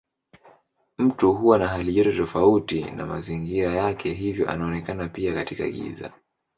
Mtu huwa na halijoto tofauti na mazingira yake hivyo anaonekana pia katika giza.